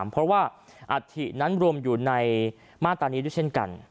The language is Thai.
เพราะว่าอัฐินั้นรวมอยู่ในมาตรานี้ด้วยเช่นกัน